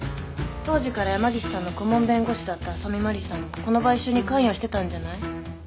当時から山岸さんの顧問弁護士だった浅見麻里さんもこの買収に関与してたんじゃない？